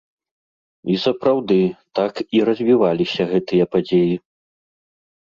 І сапраўды, так і развіваліся гэтыя падзеі.